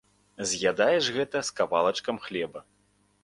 З'ядаеш гэта з кавалачкам хлеба.